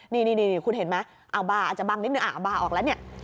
นี่คุณเห็นไหมเอาบาร์อาจจะบังนิดนึงเอาบาร์ออกแล้วเนี่ย